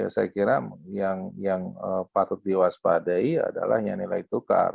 saya kira yang patut diwaspadai adalahnya nilai tukar